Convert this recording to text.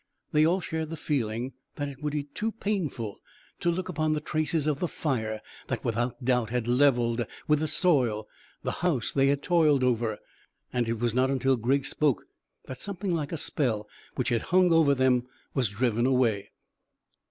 They all shared the feeling that it would be too painful to look upon the traces of the fire that without doubt had levelled with the soil the house they had toiled over, and it was not until Griggs spoke that something like a spell which had hung over them was driven away.